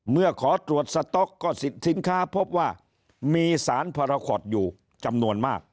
เมื่อขอตรวจสต๊อกก็สินค้าพบว่ามีสารพาราคอตอยู่จำนวนมาก